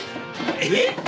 えっ！？